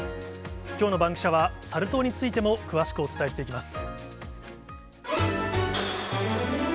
きょうのバンキシャはサル痘についても詳しくお伝えしていきます。